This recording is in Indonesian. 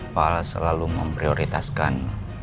pak al selalu memprioritaskan